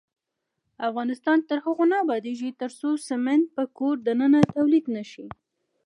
افغانستان تر هغو نه ابادیږي، ترڅو سمنټ په کور دننه تولید نشي.